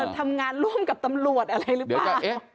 ทำงานร่วมกับตำรวจ